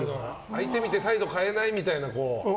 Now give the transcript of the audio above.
相手を見て態度を変えないみたいな。